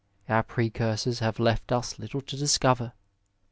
Our precursors have left us little to discover.